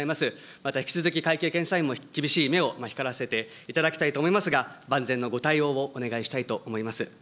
また引き続き会計検査院も厳しい目を光らせていただきたいと思いますが、万全のご対応をお願いしたいと思います。